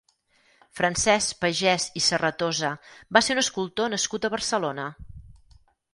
Francesc Pagès i Serratosa va ser un escultor nascut a Barcelona.